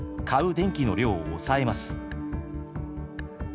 電気の量を抑えます。